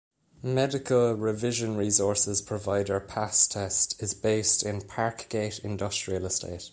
Medical revision resources provider Pastest is based in Parkgate Industrial Estate.